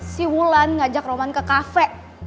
si wulan ngajak roman ke kafe